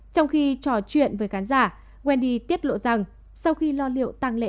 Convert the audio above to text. trong khi trò chuyện với khán giả wendy tiết lộ rằng sau khi lo liệu tăng lễ